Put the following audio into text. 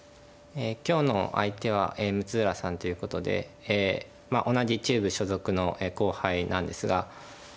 今日の相手は六浦さんということで同じ中部所属の後輩なんですが。